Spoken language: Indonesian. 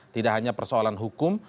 tidak hanya persoalan hukum